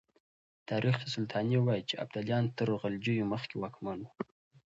تاريخ سلطاني وايي چې ابداليان تر غلجيو مخکې واکمن وو.